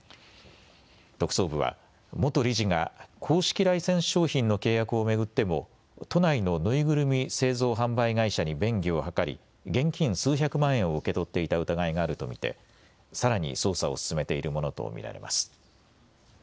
特捜部は元理事が公式ライセンス商品の契約を巡っても都内の縫いぐるみ製造・販売会社に便宜を図り現金数百万円を受け取っていた疑いがあると見てさらに捜査を進めているものと見られます。